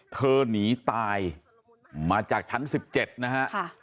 หนีตายมาจากชั้น๑๗นะฮะ